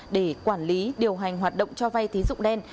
để quản lý điều hành hoạt động cho vay tín dụng đen